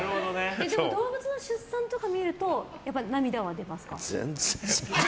動物の出産とか見ると涙は出ますか？